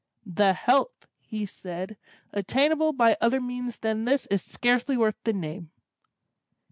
"The health," he said, "attainable by other means than this is scarcely worth the name."